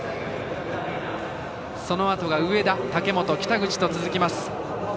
そのあとが上田、武本、北口と続きます。